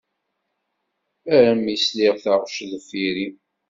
Armi i sliɣ i taɣect deffir-i.